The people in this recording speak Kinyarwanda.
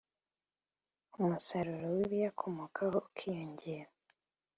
umusaruro w’ibiyakomokaho ukiyongera